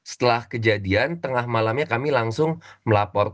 setelah kejadian tengah malamnya kami langsung melapor